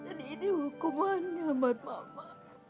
jadi ini hukumannya buat mama